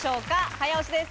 早押しです。